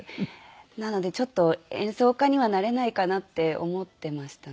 なのでちょっと演奏家にはなれないかなって思ってましたね